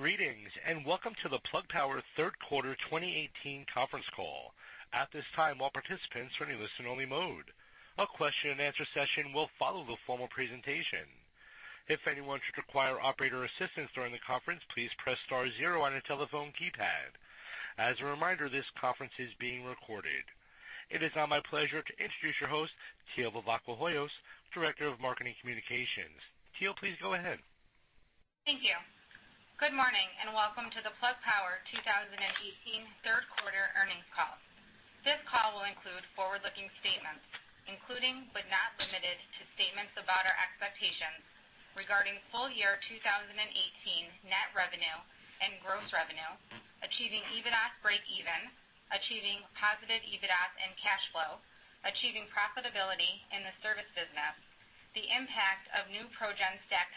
Greetings. Welcome to the Plug Power third quarter 2018 conference call. At this time, all participants are in listen only mode. A question and answer session will follow the formal presentation. If anyone should require operator assistance during the conference, please press star zero on your telephone keypad. As a reminder, this conference is being recorded. It is now my pleasure to introduce your host, Teal Vivacqua, Director of Marketing Communications. Teal, please go ahead. Thank you. Good morning. Welcome to the Plug Power 2018 third quarter earnings call. This call will include forward-looking statements, including, but not limited to, statements about our expectations regarding full year 2018 net revenue and gross revenue, achieving EBITDA breakeven, achieving positive EBITDA and cash flow, achieving profitability in the service business, the impact of new ProGen stack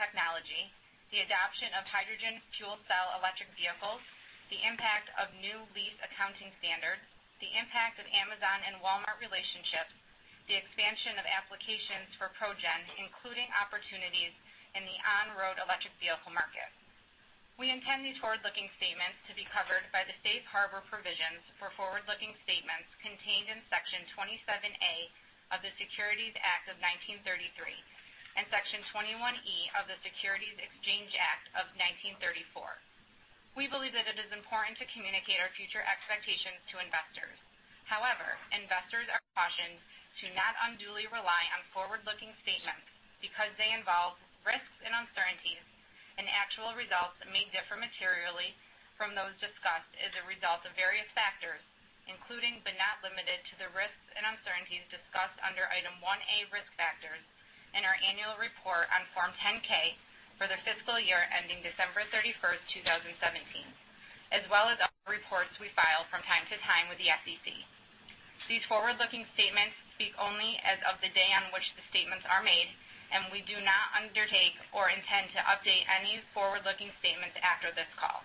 technology, the adoption of hydrogen fuel cell electric vehicles, the impact of new lease accounting standards, the impact of Amazon and Walmart relationships, the expansion of applications for ProGen, including opportunities in the on-road electric vehicle market. We intend these forward-looking statements to be covered by the Safe Harbor Provisions for forward-looking statements contained in Section 27A of the Securities Act of 1933 and Section 21E of the Securities Exchange Act of 1934. We believe that it is important to communicate our future expectations to investors. Investors are cautioned to not unduly rely on forward-looking statements because they involve risks and uncertainties, and actual results may differ materially from those discussed as a result of various factors, including, but not limited to, the risks and uncertainties discussed under Item 1A Risk Factors in our annual report on Form 10-K for the fiscal year ending December 31st, 2017, as well as other reports we file from time to time with the SEC. These forward-looking statements speak only as of the day on which the statements are made. We do not undertake or intend to update any forward-looking statements after this call.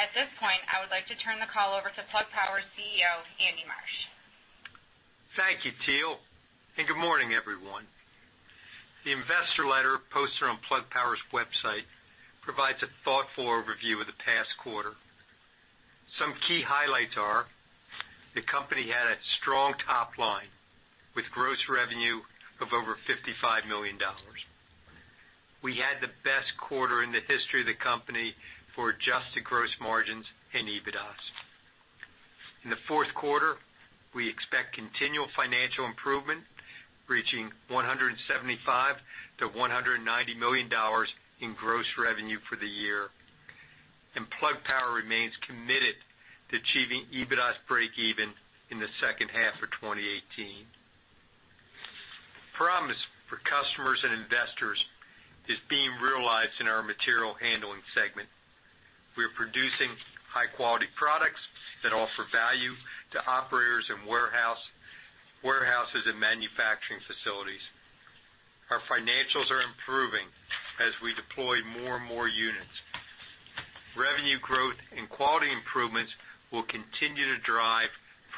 At this point, I would like to turn the call over to Plug Power CEO, Andy Marsh. Thank you, Teal. Good morning, everyone. The investor letter posted on Plug Power's website provides a thoughtful review of the past quarter. Some key highlights are the company had a strong top line with gross revenue of over $55 million. We had the best quarter in the history of the company for adjusted gross margins and EBITDA. In the fourth quarter, we expect continual financial improvement, reaching $175 million-$190 million in gross revenue for the year. Plug Power remains committed to achieving EBITDA breakeven in the second half of 2018. Promise for customers and investors is being realized in our material handling segment. We are producing high-quality products that offer value to operators in warehouses and manufacturing facilities. Our financials are improving as we deploy more and more units. Revenue growth and quality improvements will continue to drive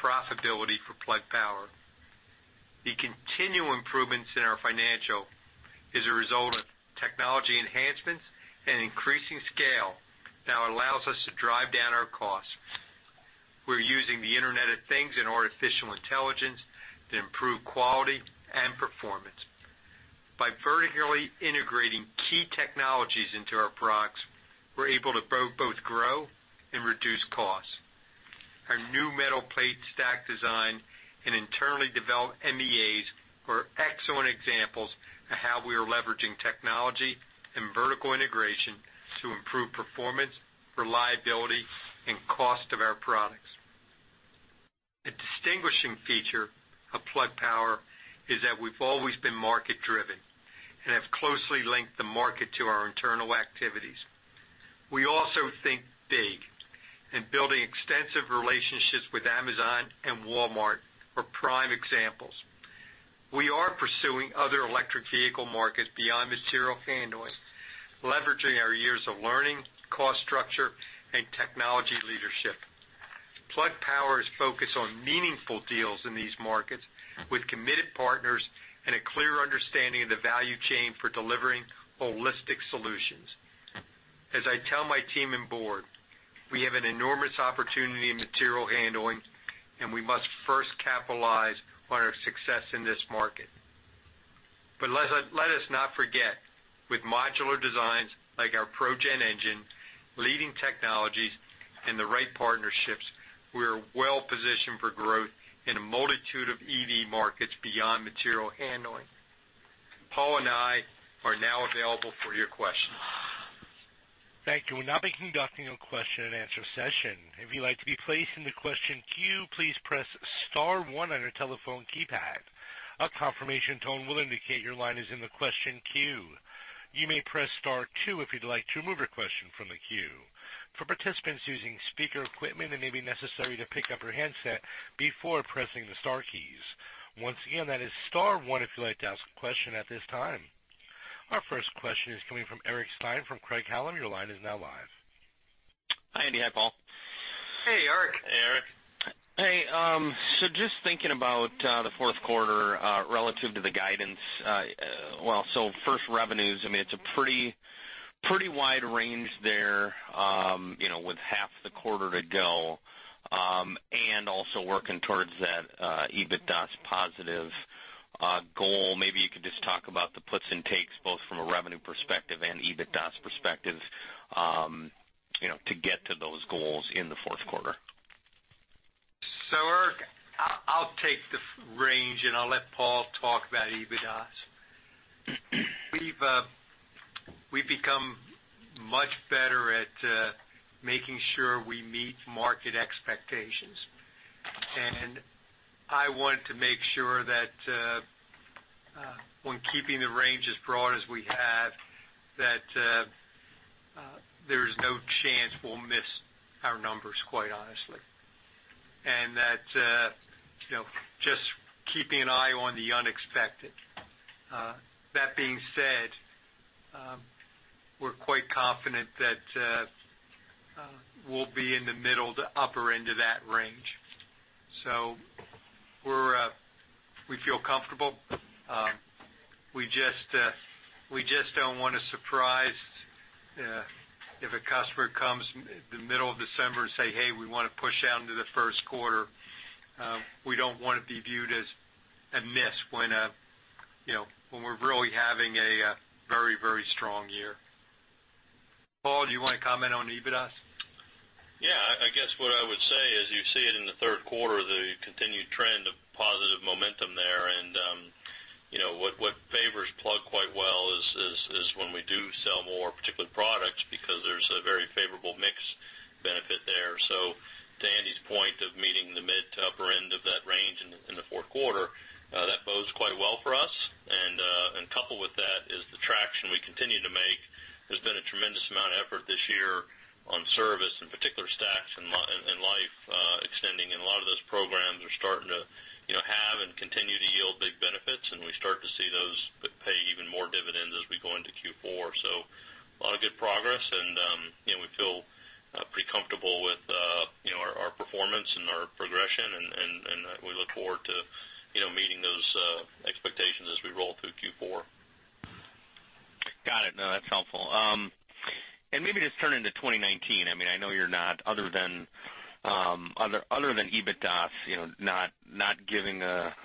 profitability for Plug Power. The continual improvements in our financial is a result of technology enhancements and increasing scale that allows us to drive down our costs. We're using the Internet of Things and artificial intelligence to improve quality and performance. By vertically integrating key technologies into our products, we're able to both grow and reduce costs. Our new metal plate stack design and internally developed MEAs are excellent examples of how we are leveraging technology and vertical integration to improve performance, reliability, and cost of our products. A distinguishing feature of Plug Power is that we've always been market-driven and have closely linked the market to our internal activities. Building extensive relationships with Amazon and Walmart are prime examples. We are pursuing other electric vehicle markets beyond material handling, leveraging our years of learning, cost structure, and technology leadership. Plug Power is focused on meaningful deals in these markets with committed partners and a clear understanding of the value chain for delivering holistic solutions. As I tell my team and board, we have an enormous opportunity in material handling. We must first capitalize on our success in this market. Let us not forget, with modular designs like our ProGen engine, leading technologies, and the right partnerships, we are well-positioned for growth in a multitude of EV markets beyond material handling. Paul and I are now available for your questions. Thank you. We'll now be conducting a question and answer session. If you'd like to be placed in the question queue, please press star one on your telephone keypad. A confirmation tone will indicate your line is in the question queue. You may press star two if you'd like to remove your question from the queue. For participants using speaker equipment, it may be necessary to pick up your handset before pressing the star keys. Once again, that is star one if you'd like to ask a question at this time. Our first question is coming from Eric Stine from Craig-Hallum. Your line is now live. Hi, Andy. Hi, Paul. Hey, Eric. Hey, Eric. Hey. Just thinking about the fourth quarter relative to the guidance. First, revenues, it's a pretty wide range there with half the quarter to go, and also working towards that EBITDA positive goal. Maybe you could just talk about the puts and takes, both from a revenue perspective and EBITDA perspective to get to those goals in the fourth quarter. Eric, I'll take the range, and I'll let Paul talk about EBITDA. We've become much better at making sure we meet market expectations. I want to make sure that when keeping the range as broad as we have, that there's no chance we'll miss our numbers, quite honestly, and that just keeping an eye on the unexpected. That being said, we're quite confident that we'll be in the middle to upper end of that range. We feel comfortable. We just don't want to surprise if a customer comes the middle of December and say, "Hey, we want to push out into the first quarter." We don't want to be viewed as a miss when we're really having a very strong year. Paul, do you want to comment on EBITDA? Yeah, I guess what I would say is you see it in the third quarter, the continued trend of positive momentum there. What favors Plug quite well is when we do sell more particular products, because there's a very favorable mix benefit there. To Andy's point of meeting the mid to upper end of that range in the fourth quarter, that bodes quite well for us. Coupled with that is the traction we continue to make. There's been a tremendous amount of effort this year on service, in particular stacks and life extending, and a lot of those programs are starting to have and continue to yield big benefits, and we start to see those pay even more dividends as we go into Q4. A lot of good progress, and we feel pretty comfortable with our performance and our progression, and we look forward to meeting those expectations as we roll through Q4. Got it. No, that's helpful. Maybe just turning to 2019, I know you're not, other than EBITDA, not giving a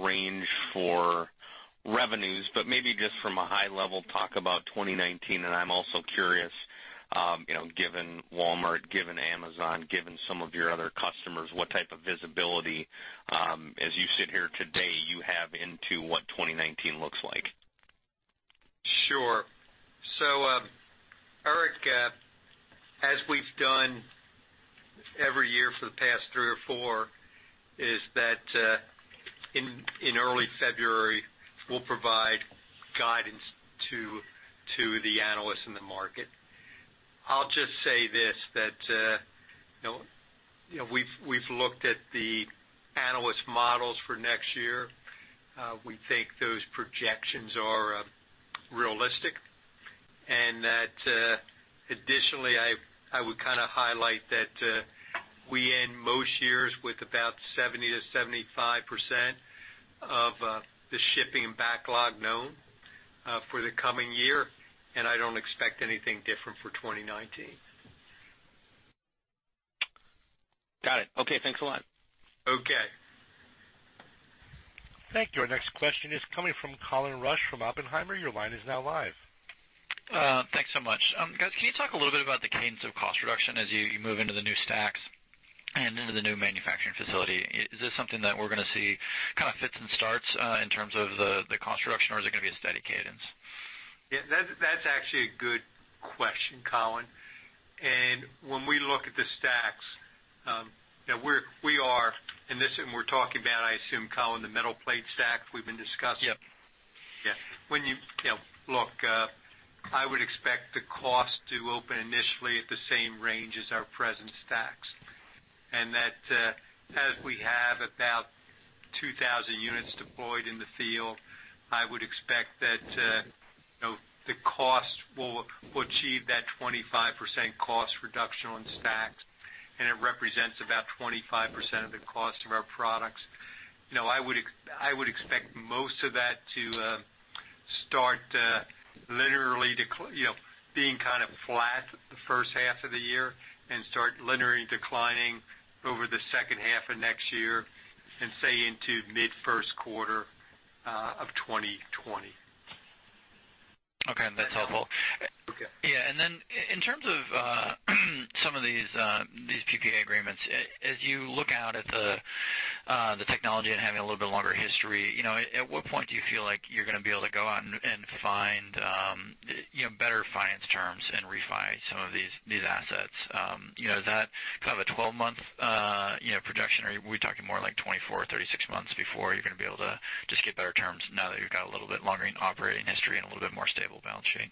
range for revenues, but maybe just from a high level, talk about 2019, and I'm also curious, given Walmart, given Amazon, given some of your other customers, what type of visibility, as you sit here today, you have into what 2019 looks like. Sure. Eric, as we've done every year for the past three or four, is that in early February, we'll provide guidance to the analysts in the market. I'll just say this, that we've looked at the analysts' models for next year. We think those projections are realistic, and that additionally, I would kind of highlight that we end most years with about 70%-75% of the shipping backlog known for the coming year. I don't expect anything different for 2019. Got it. Okay, thanks a lot. Okay. Thank you. Our next question is coming from Colin Rusch from Oppenheimer. Your line is now live. Thanks so much. Guys, can you talk a little bit about the cadence of cost reduction as you move into the new stacks and into the new manufacturing facility? Is this something that we're going to see kind of fits and starts in terms of the cost reduction, or is it going to be a steady cadence? Yeah, that's actually a good question, Colin. When we look at the stacks, we are, and this we're talking about, I assume, Colin, the metal plate stacks we've been discussing? Yep. Yeah. Look, I would expect the cost to open initially at the same range as our present stacks. As we have about 2,000 units deployed in the field, I would expect that the cost will achieve that 25% cost reduction on stacks, and it represents about 25% of the cost of our products. I would expect most of that to start linearly, being kind of flat the first half of the year, and start linearly declining over the second half of next year, and say into mid first quarter of 2020. Okay. That's helpful. Okay. Yeah. Then in terms of some of these PPA agreements, as you look out at the technology and having a little bit longer history, at what point do you feel like you're going to be able to go out and find better finance terms and refi some of these assets? Is that kind of a 12-month projection, or are we talking more like 24 or 36 months before you're going to be able to just get better terms now that you've got a little bit longer operating history and a little bit more stable balance sheet?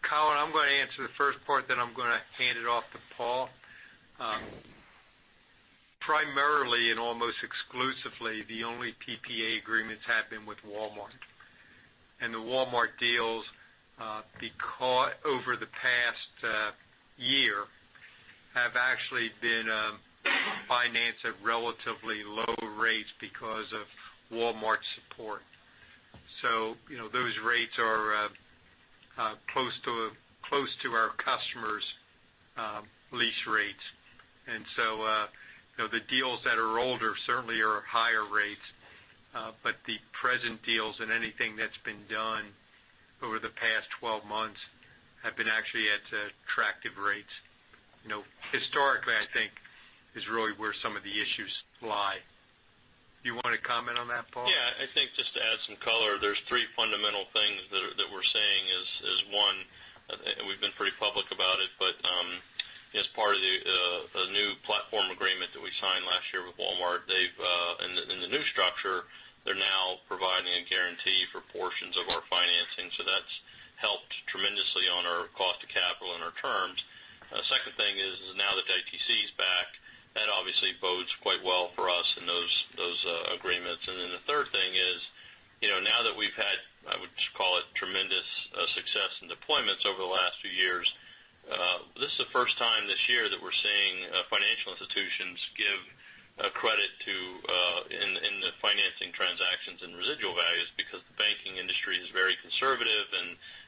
Colin, I'm going to answer the first part, then I'm going to hand it off to Paul. Primarily and almost exclusively, the only PPA agreements have been with Walmart. The Walmart deals, over the past year, have actually been financed at relatively low rates because of Walmart's support. Those rates are close to our customers' lease rates. The deals that are older certainly are higher rates, but the present deals and anything that's been done over the past 12 months have been actually at attractive rates. Historically, I think is really where some of the issues lie. Do you want to comment on that, Paul? I think just to add some color, there are 3 fundamental things that we are seeing. One, and we have been pretty public about it, as part of the new platform agreement that we signed last year with Walmart, in the new structure, they are now providing a guarantee for portions of our financing. That has helped tremendously on our cost of capital and our terms. The second thing is now that ITC is back, that obviously bodes quite well for us in those agreements. The third thing is, now that we have had, I would call it tremendous success in deployments over the last few years, this is the first time this year that we are seeing financial institutions give credit in the financing transactions and residual values because the banking industry is very conservative.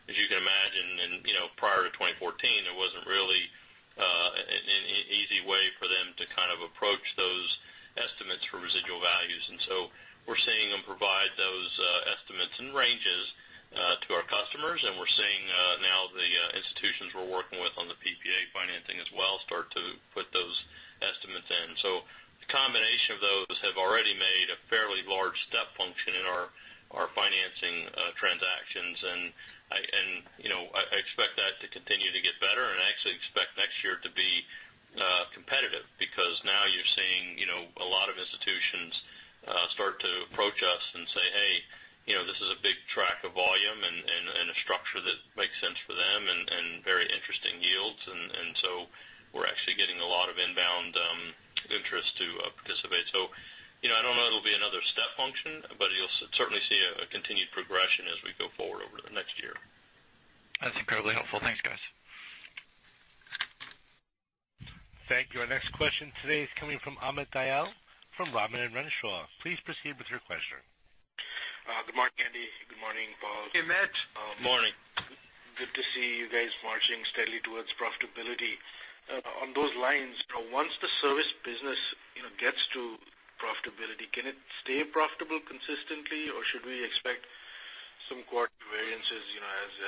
As you can imagine, prior to 2014, there was not really an easy way for them to approach those estimates for residual values. We are seeing them provide those estimates and ranges to our customers, and we are seeing now the institutions we are working with on the PPA financing as well start to put those estimates in. The combination of those have already made a fairly large step function in our financing transactions. I expect that to continue to get better and I actually expect next year to be competitive, because now you are seeing a lot of institutions start to approach us and say, hey, this is a big track of volume and a structure that makes sense for them and very interesting yields. We are actually getting a lot of inbound interest to participate. I do not know if it will be another step function, but you will certainly see a continued progression as we go forward over the next year. That is incredibly helpful. Thanks, guys. Thank you. Our next question today is coming from Amit Dayal from H.C. Wainwright & Co. Please proceed with your question. Good morning, Andy. Good morning, Paul. Amit. Morning. Good to see you guys marching steadily towards profitability. On those lines, once the service business gets to profitability, can it stay profitable consistently, or should we expect some quarter variances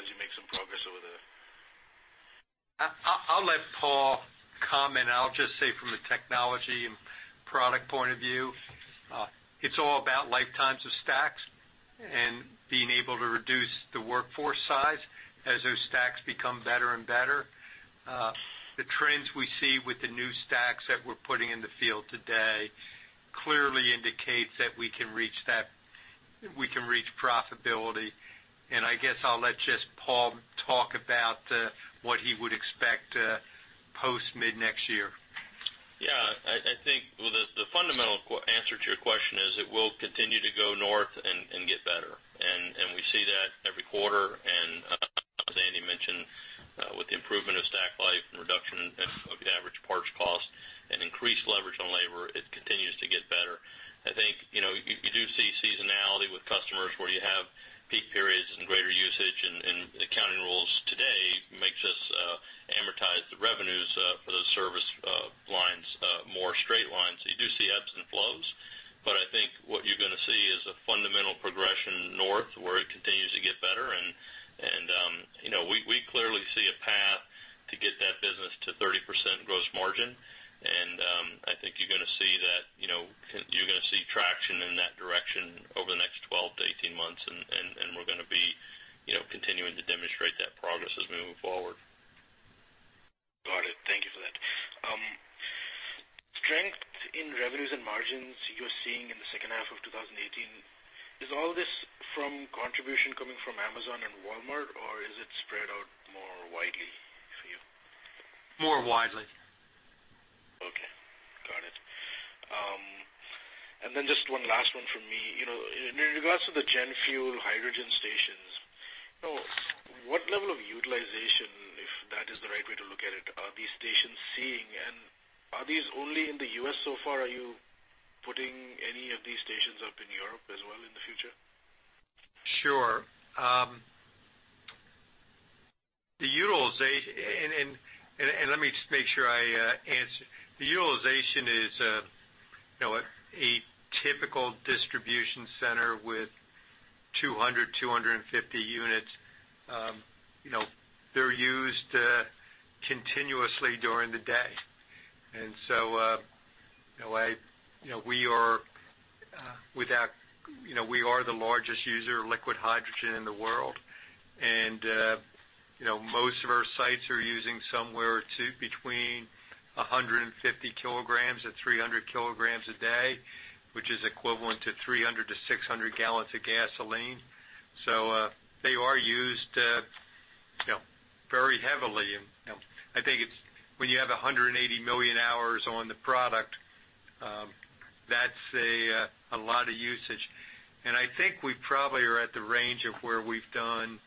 as you make some progress over there? I'll let Paul comment. I'll just say from a technology and product point of view, it's all about lifetimes of stacks and being able to reduce the workforce size as those stacks become better and better. The trends we see with the new stacks that we're putting in the field today clearly indicates that we can reach profitability. I guess I'll let just Paul talk about what he would expect post mid-next year. Yeah, I think the fundamental answer to your question is it will continue to go north and get better. We see that every quarter. As Andy mentioned, with the improvement of stack life and reduction of average parts cost and increased leverage on labor, it continues to get better. I think you do see seasonality with customers where you have peak periods and greater usage, accounting rules today 200, 250 units, they're used continuously during the day. We are the largest user of liquid hydrogen in the world. Most of our sites are using somewhere between 150 kilograms or 300 kilograms a day, which is equivalent to 300-600 gallons of gasoline. They are used heavily. I think when you have 180 million hours on the product, that's a lot of usage. I think we probably are at the range of where we've done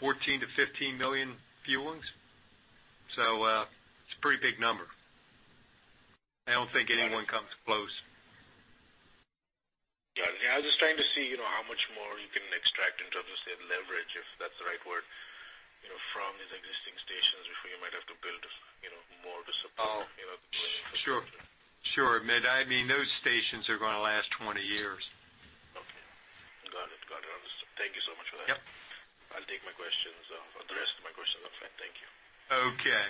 14-15 million fuelings. It's a pretty big number. I don't think anyone comes close. Got it. Yeah, I was just trying to see how much more you can extract in terms of, say, leverage, if that's the right word, from these existing stations before you might have to build more to support it. Sure, Amit. Those stations are going to last 20 years. Okay. Got it. Thank you so much for that. Yep. I'll take the rest of my questions offline. Thank you. Okay.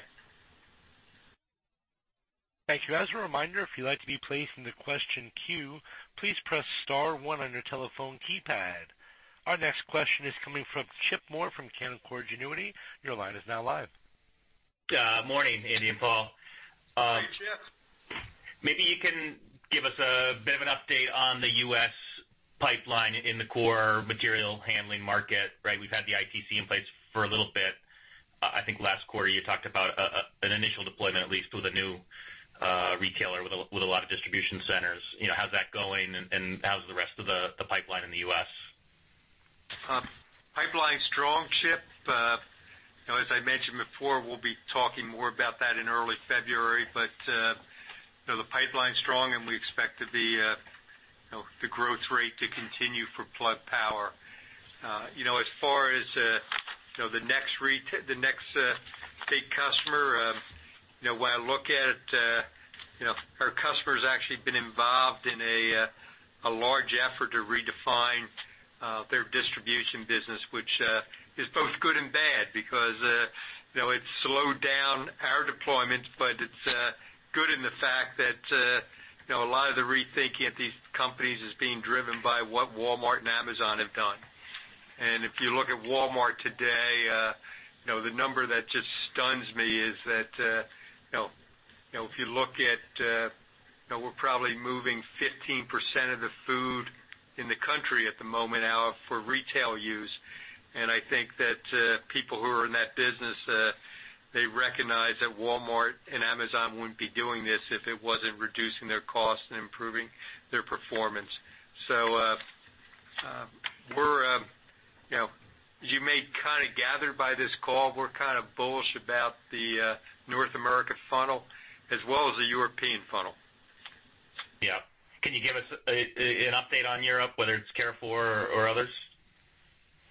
Thank you. As a reminder, if you'd like to be placed in the question queue, please press star 1 on your telephone keypad. Our next question is coming from Chip Moore from Canaccord Genuity. Your line is now live. Morning, Andy and Paul. Hi, Chip. Maybe you can give us a bit of an update on the U.S. pipeline in the core material handling market. We've had the ITC in place for a little bit. I think last quarter you talked about an initial deployment, at least, with a new retailer, with a lot of distribution centers. How's that going, and how's the rest of the pipeline in the U.S.? Pipeline's strong, Chip. As I mentioned before, we'll be talking more about that in early February. The pipeline's strong, and we expect the growth rate to continue for Plug Power. As far as the next big customer, when I look at it, our customer's actually been involved in a large effort to redefine their distribution business, which is both good and bad because it's slowed down our deployments, but it's good in the fact that a lot of the rethinking at these companies is being driven by what Walmart and Amazon have done. If you look at Walmart today, the number that just stuns me is that we're probably moving 15% of the food in the country at the moment out for retail use. I think that people who are in that business, they recognize that Walmart and Amazon wouldn't be doing this if it wasn't reducing their costs and improving their performance. As you may gather by this call, we're bullish about the North America funnel as well as the European funnel. Yeah. Can you give us an update on Europe, whether it is Carrefour or others?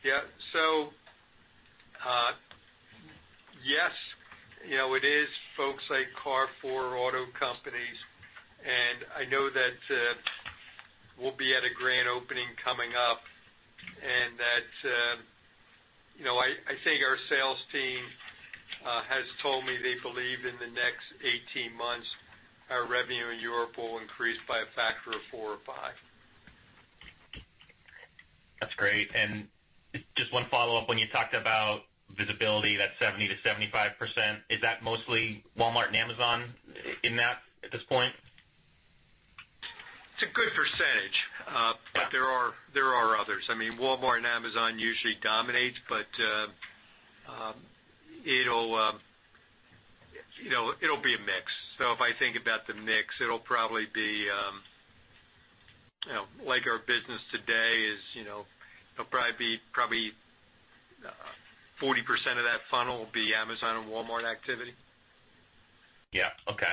Yeah. Yes, it is folks like Carrefour auto companies, and I know that we will be at a grand opening coming up, and that I think our sales team has told me they believe in the next 18 months, our revenue in Europe will increase by a factor of four or five. That is great. Just one follow-up. When you talked about visibility, that 70%-75%, is that mostly Walmart and Amazon in that at this point? It is a good percentage. Yeah. There are others. Walmart and Amazon usually dominate, but it'll be a mix. If I think about the mix, like our business today is, it'll probably be 40% of that funnel will be Amazon and Walmart activity. Yeah. Okay.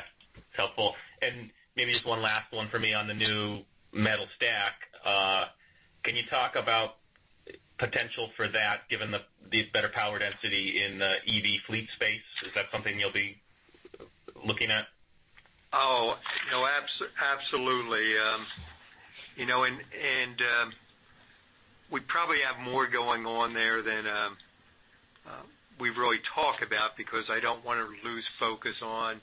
Helpful. Maybe just one last one from me on the new metal stack. Can you talk about potential for that given these better power density in the EV fleet space? Is that something you'll be looking at? Oh, absolutely. We probably have more going on there than we've really talked about, because I don't want to lose focus on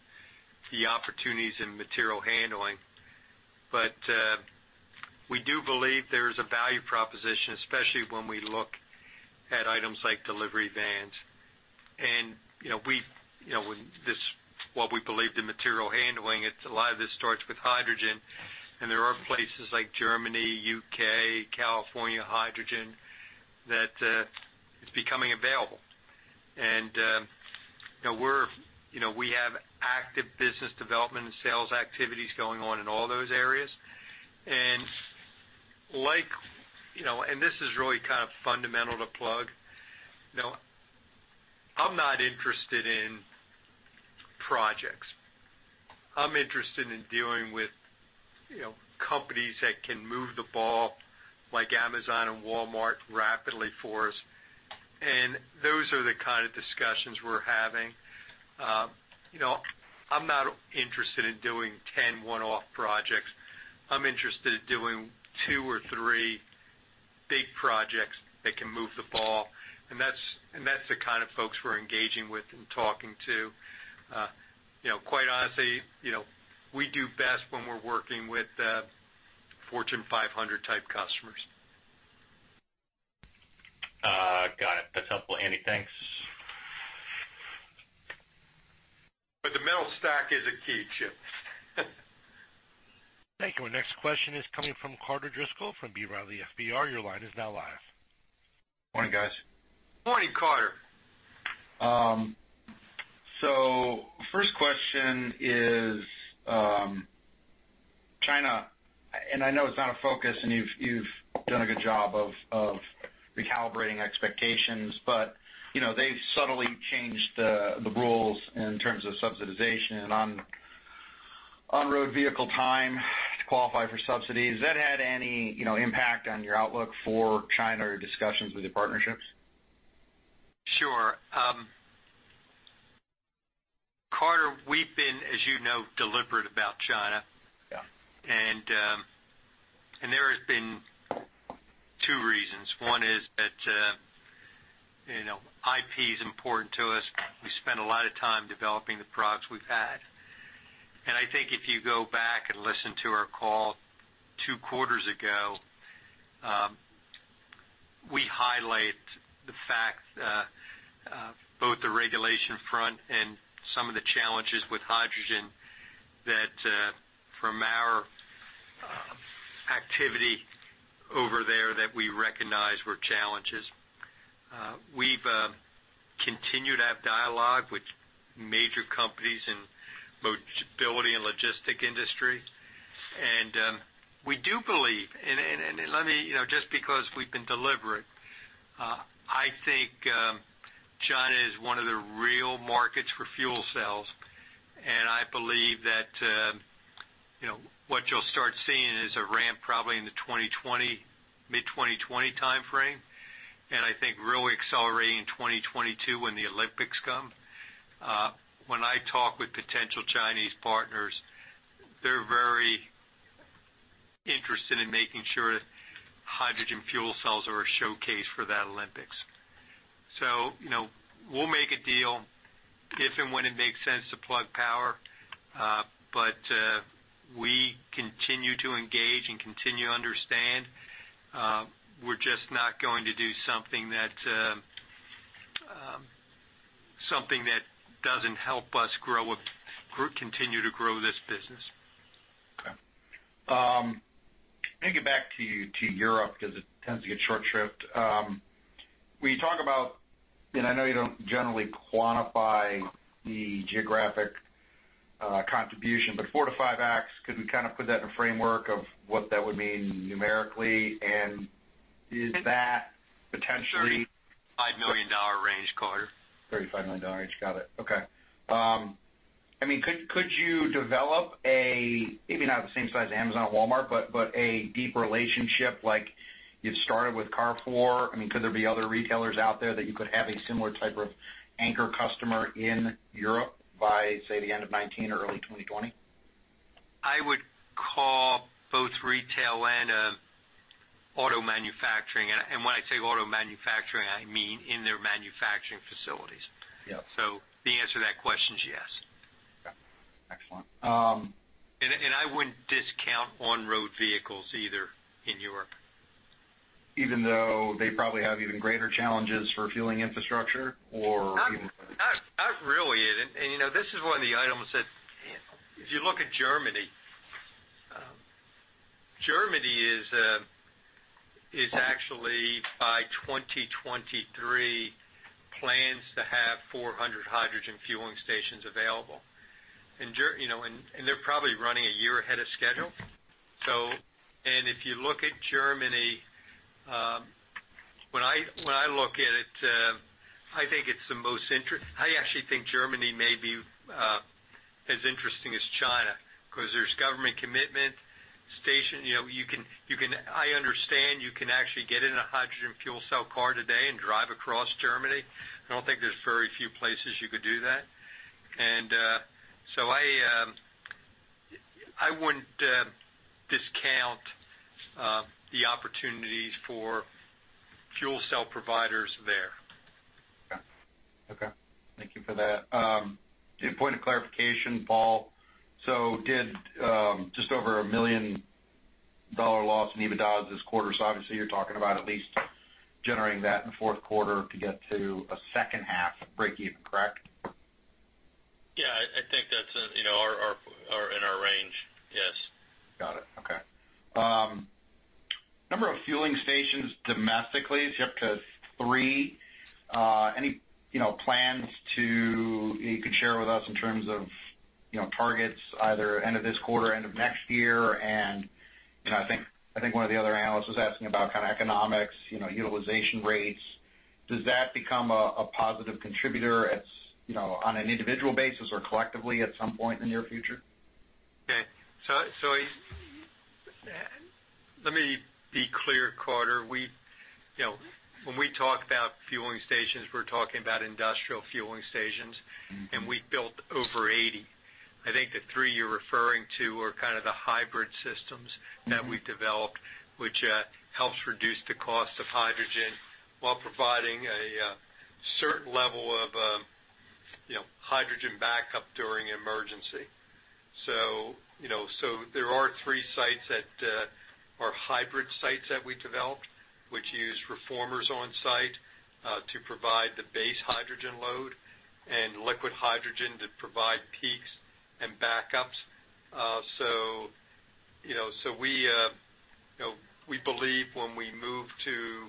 the opportunities in material handling. We do believe there is a value proposition, especially when we look at items like delivery vans. What we believe in material handling, a lot of this starts with hydrogen, and there are places like Germany, U.K., California, hydrogen, that is becoming available. We have active business development and sales activities going on in all those areas. This is really kind of fundamental to Plug. I'm not interested in projects. I'm interested in dealing with companies that can move the ball like Amazon and Walmart rapidly for us, and those are the kind of discussions we're having. I'm not interested in doing 10 one-off projects. I'm interested in doing two or three big projects that can move the ball, and that's the kind of folks we're engaging with and talking to. Quite honestly, we do best when we're working with Fortune 500 type customers. Got it. That's helpful, Andy. Thanks. Fuel cell stack is a key Chip. Thank you. Our next question is coming from Carter Driscoll from B. Riley FBR. Your line is now live. Morning, guys. Morning, Carter. First question is China, and I know it's not a focus and you've done a good job of recalibrating expectations, but they've subtly changed the rules in terms of subsidization on road vehicle time to qualify for subsidies. Has that had any impact on your outlook for China or your discussions with your partnerships? Sure. Carter, we've been, as you know, deliberate about China. Yeah. There have been two reasons. One is that IP is important to us. We spend a lot of time developing the products we've had. I think if you go back and listen to our call two quarters ago, we highlight the fact, both the regulation front and some of the challenges with hydrogen that from our activity over there that we recognized were challenges. We've continued to have dialogue with major companies in mobility and logistic industry. We do believe, and let me, just because we've been deliberate, I think China is one of the real markets for fuel cells, and I believe that what you'll start seeing is a ramp probably in the mid-2020 timeframe, and I think really accelerating in 2022 when the Olympics come. When I talk with potential Chinese partners, they're very interested in making sure that hydrogen fuel cells are a showcase for that Olympics. We'll make a deal if and when it makes sense to Plug Power. We continue to engage and continue to understand. We're just not going to do something that doesn't help us continue to grow this business. Okay. Let me get back to Europe because it tends to get short-shrift. When you talk about, and I know you don't generally quantify the geographic contribution, but four to five x, could we kind of put that in a framework of what that would mean numerically, and is that potentially? $35 million range, Carter. $35 million range. Got it. Okay. Could you develop a, maybe not the same size as Amazon or Walmart, but a deep relationship like you've started with Carrefour? Could there be other retailers out there that you could have a similar type of anchor customer in Europe by, say, the end of 2019 or early 2020? I would call both retail and auto manufacturing, and when I say auto manufacturing, I mean in their manufacturing facilities. Yep. The answer to that question is yes. Okay. Excellent. I wouldn't discount on-road vehicles either in Europe. Even though they probably have even greater challenges for fueling infrastructure or even. Not really. This is one of the items that if you look at Germany is actually by 2023 plans to have 400 hydrogen fueling stations available. They're probably running a year ahead of schedule. If you look at Germany, when I look at it, I actually think Germany may be as interesting as China because there's government commitment. I understand you can actually get in a hydrogen fuel cell car today and drive across Germany. I don't think there's very few places you could do that. I wouldn't discount the opportunities for fuel cell providers there. Okay. Thank you for that. A point of clarification, Paul. Did just over a $1 million loss in EBITDA this quarter, so obviously you're talking about at least generating that in the fourth quarter to get to a second half breakeven, correct? Yeah, I think that's in our range, yes. Got it. Okay. Number of fueling stations domestically is up to three. Any plans to, you could share with us in terms of targets either end of this quarter, end of next year? I think one of the other analysts was asking about kind of economics, utilization rates. Does that become a positive contributor on an individual basis or collectively at some point in the near future? Okay. Let me be clear, Carter. When we talk about fueling stations, we're talking about industrial fueling stations. We've built over 80. I think the three you're referring to are kind of the hybrid systems. that we developed, which helps reduce the cost of hydrogen while providing a certain level of hydrogen backup during an emergency. There are three sites that are hybrid sites that we developed, which use reformers on site to provide the base hydrogen load and liquid hydrogen to provide peaks and backups. We believe when we move to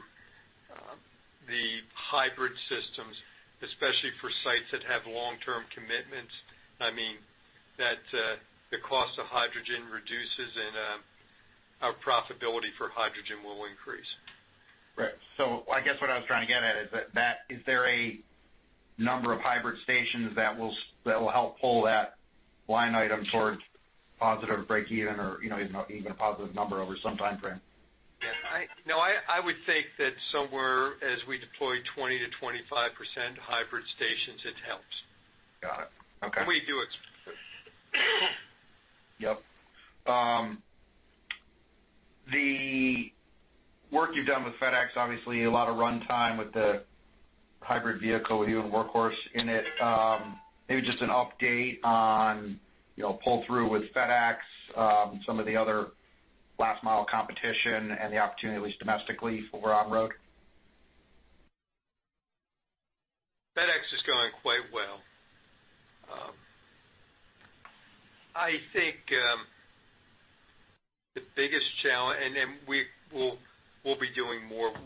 the hybrid systems, especially for sites that have long-term commitments, that the cost of hydrogen reduces and our profitability for hydrogen will increase. Right. I guess what I was trying to get at is that, is there a number of hybrid stations that will help pull that line item towards positive breakeven or even a positive number over some timeframe? Yeah. I would think that somewhere as we deploy 20%-25% hybrid stations, it helps. Got it. Okay. We do it. Yep. The work you've done with FedEx, obviously a lot of runtime with the hybrid vehicle with Workhorse in it. Maybe just an update on pull-through with FedEx, some of the other last-mile competition, and the opportunity, at least domestically for on-road. FedEx is going quite well.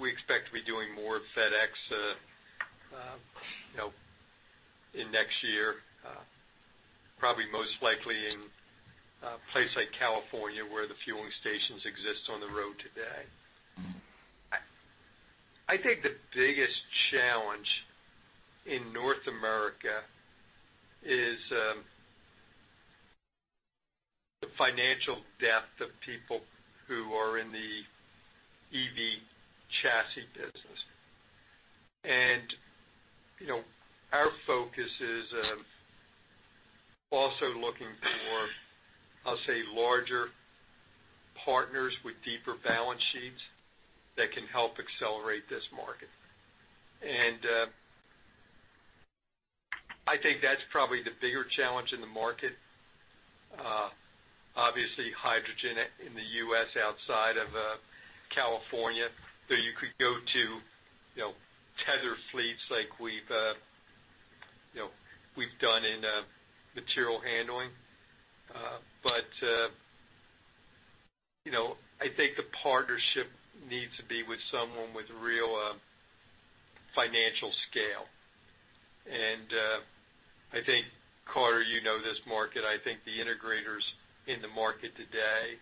We expect to be doing more of FedEx in next year, probably most likely in a place like California, where the fueling stations exist on the road today. I think the biggest challenge, we expect to be doing more of FedEx in next year, probably most likely in a place like California, where the fueling stations exist on the road today. I think the biggest challenge in North America is the financial depth of people who are in the EV chassis business. Our focus is also looking for, I'll say, larger partners with deeper balance sheets that can help accelerate this market. I think that's probably the bigger challenge in the market. Obviously, hydrogen in the U.S. outside of California, though you could go to tether fleets like we've done in material handling. I think the partnership needs to be with someone with real financial scale. I think, Carter, you know this market. I think the integrators in the market today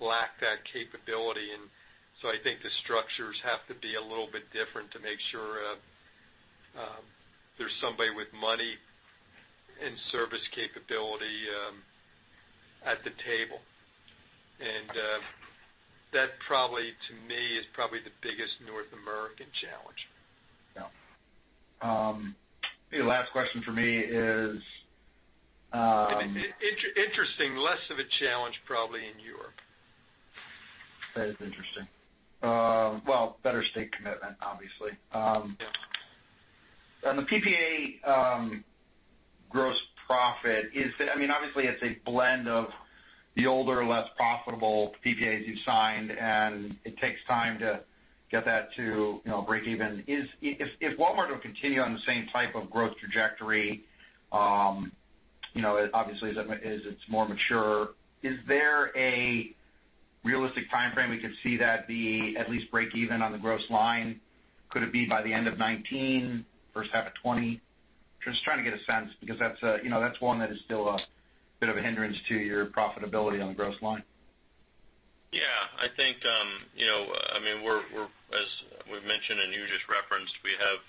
lack that capability. I think the structures have to be a little bit different to make sure there's somebody with money and service capability at the table. That probably, to me, is probably the biggest North American challenge. Yeah. The last question from me is. Interesting. Less of a challenge probably in Europe. That is interesting. Well, better state commitment, obviously. Yeah. On the PPA gross profit, obviously, it's a blend of the older, less profitable PPAs you've signed, and it takes time to get that to breakeven. If Walmart will continue on the same type of growth trajectory, obviously as it's more mature, is there a realistic timeframe we could see that be at least breakeven on the gross line? Could it be by the end of 2019, first half of 2020? Just trying to get a sense, because that's one that is still a bit of a hindrance to your profitability on the gross line. Yeah. As we've mentioned and you just referenced, we have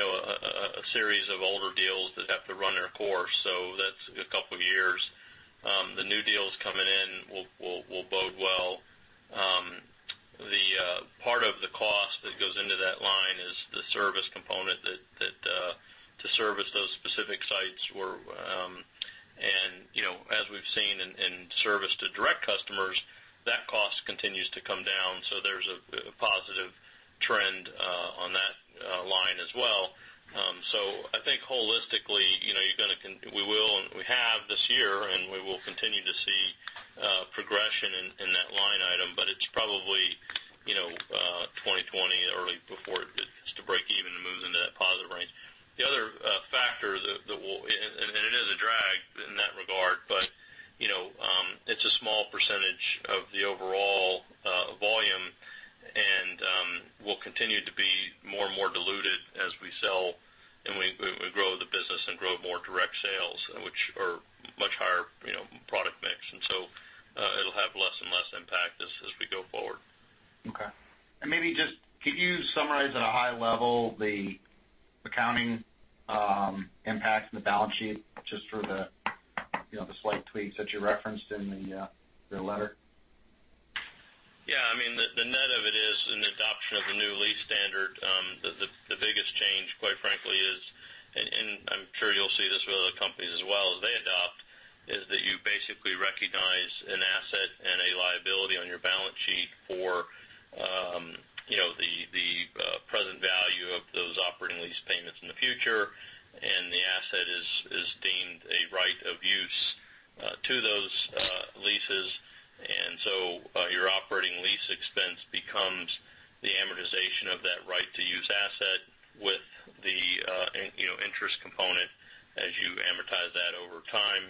a series of older deals that have to run their course. That's a couple of years. The new deals coming in will bode well. The part of the cost that goes into that line is the service component to service those specific sites. As we've seen in service to direct customers, that cost continues to come down. There's a positive trend on that line as well. I think holistically, we will and we have this year, and we will continue to see progression in that line item, but it's probably 2020 early before it gets to breakeven and moves into that positive range. The other factor, it is a drag in that regard, but it's a small percentage of the overall volume, and will continue to be more and more diluted as we sell and we grow the business and grow more direct sales, which are much higher product mix. It'll have less and less impact as we go forward. Okay. Maybe just could you summarize at a high level the accounting impacts on the balance sheet, just for the slight tweaks that you referenced in the letter? Yeah. The net of it is in the adoption of the new lease standard, the biggest change, quite frankly, I'm sure you'll see this with other companies as well as they adopt, is that you basically recognize an asset and a liability on your balance sheet for in the future, and the asset is deemed a right of use to those leases. Your operating lease expense becomes the amortization of that right-to-use asset with the interest component as you amortize that over time.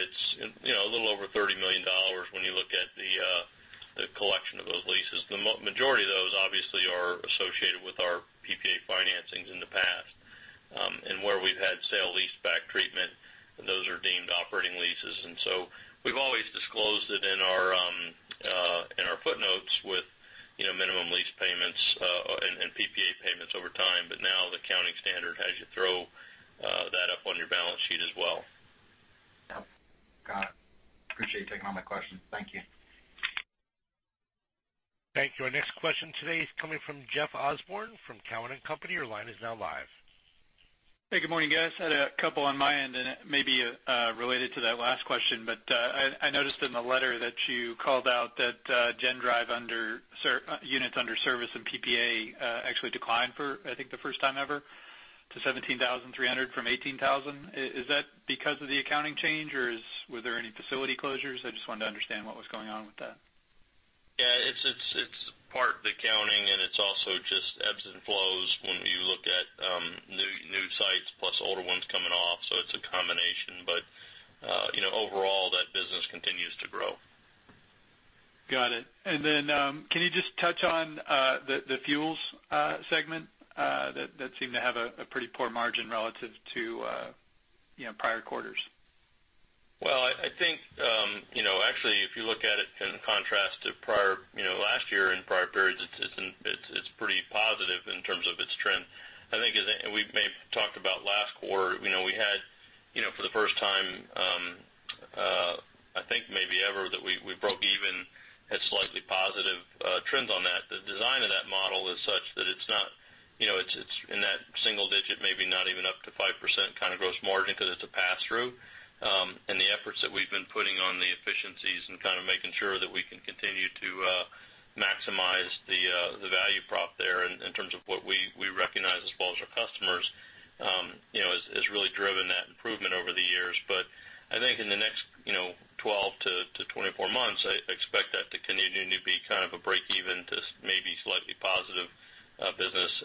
It's a little over $30 million when you look at the collection of those leases. The majority of those obviously are associated with our PPA financings in the past. Where we've had sale leaseback treatment, those are deemed operating leases. We've always disclosed it in our footnotes with minimum lease payments and PPA payments over time. Now the accounting standard has you throw that up on your balance sheet as well. Yep. Got it. Appreciate you taking all my questions. Thank you. Thank you. Our next question today is coming from Jeff Osborne from Cowen and Company. Your line is now live. Hey, good morning, guys. Had a couple on my end, and it may be related to that last question. I noticed in the letter that you called out that GenDrive units under service and PPA actually declined for, I think, the first time ever to 17,300 from 18,000. Is that because of the accounting change, or were there any facility closures? I just wanted to understand what was going on with that. Yeah. It's part the accounting, and it's also just ebbs and flows when you look at new sites plus older ones coming off. It's a combination, but overall, that business continues to grow. Got it. Can you just touch on the fuels segment? That seemed to have a pretty poor margin relative to prior quarters. Well, I think, actually, if you look at it in contrast to last year and prior periods, it's pretty positive in terms of its trend. I think we may have talked about last quarter, we had, for the first time I think maybe ever, that we broke even, had slightly positive trends on that. The design of that model is such that it's in that single digit, maybe not even up to 5% kind of gross margin because it's a pass-through. The efforts that we've been putting on the efficiencies and kind of making sure that we can continue to maximize the value prop there in terms of what we recognize as well as our customers has really driven that improvement over the years. I think in the next 12 to 24 months, I expect that to continue to be kind of a break even to maybe slightly positive business.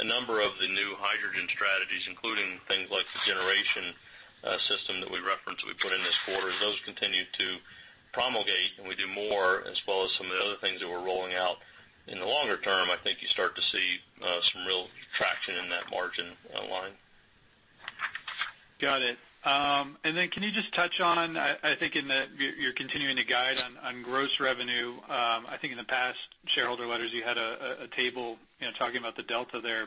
A number of the new hydrogen strategies, including things like the generation system that we referenced we put in this quarter, as those continue to promulgate and we do more, as well as some of the other things that we're rolling out. In the longer term, I think you start to see some real traction in that margin line. Got it. Can you just touch on, I think you're continuing to guide on gross revenue. I think in the past shareholder letters you had a table talking about the delta there.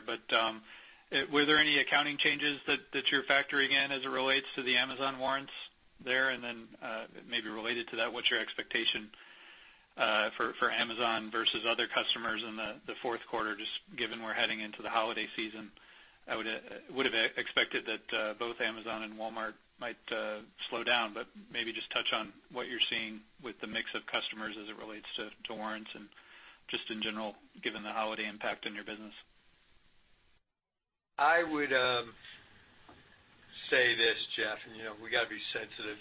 Were there any accounting changes that you're factoring in as it relates to the Amazon warrants there? Maybe related to that, what's your expectation for Amazon versus other customers in the fourth quarter, just given we're heading into the holiday season? I would've expected that both Amazon and Walmart might slow down, but maybe just touch on what you're seeing with the mix of customers as it relates to warrants and just in general, given the holiday impact on your business. I would say this, Jeff, we got to be sensitive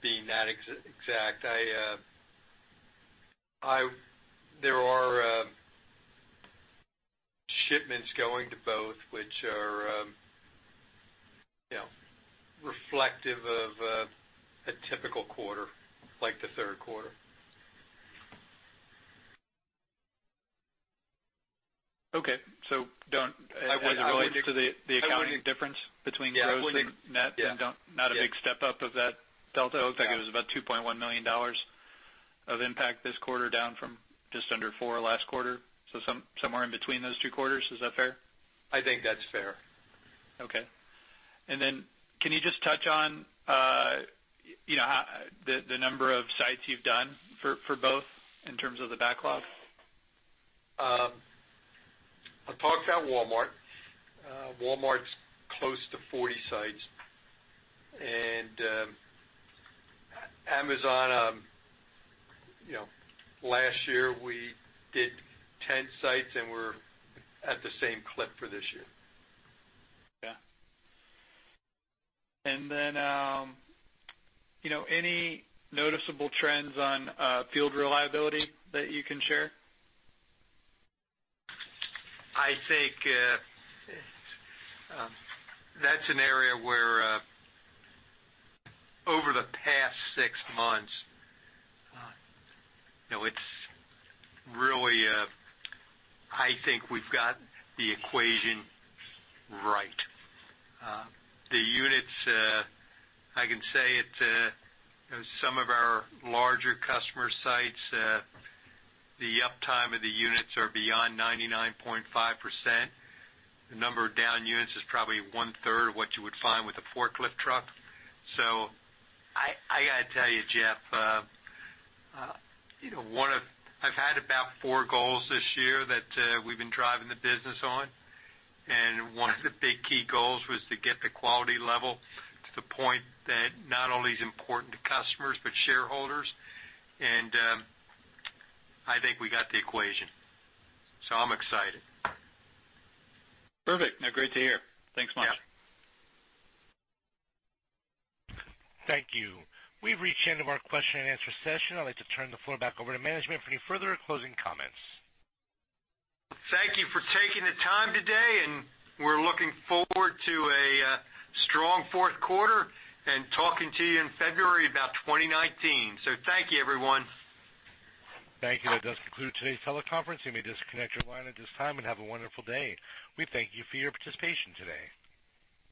being that exact. There are shipments going to both, which are reflective of a typical quarter, like the third quarter. Okay. As it relates to the accounting difference between gross and net, not a big step-up of that delta? I think it was about $2.1 million of impact this quarter, down from just under four last quarter. Somewhere in between those two quarters. Is that fair? I think that's fair. Okay. Then can you just touch on the number of sites you've done for both in terms of the backlog? I talked about Walmart. Walmart's close to 40 sites. Amazon, last year we did 10 sites, and we're at the same clip for this year. Yeah. Then any noticeable trends on field reliability that you can share? I think that's an area where over the past six months, I think we've got the equation right. The units, I can say at some of our larger customer sites, the uptime of the units are beyond 99.5%. The number of down units is probably one-third of what you would find with a forklift truck. I got to tell you, Jeff, I've had about four goals this year that we've been driving the business on, and one of the big key goals was to get the quality level to the point that not only is important to customers, but shareholders. I think we got the equation. I'm excited. Perfect. Great to hear. Thanks much. Yeah. Thank you. We've reached the end of our question and answer session. I'd like to turn the floor back over to management for any further closing comments. Thank you for taking the time today, and we're looking forward to a strong fourth quarter and talking to you in February about 2019. Thank you, everyone. Thank you. That does conclude today's teleconference. You may disconnect your line at this time, and have a wonderful day. We thank you for your participation today.